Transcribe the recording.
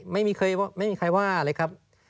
ไม่มีใครแบบว่าไม่มีใครว่าอะไรครับ